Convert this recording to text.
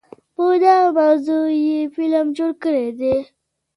په دغه موضوع يو فلم جوړ کړے دے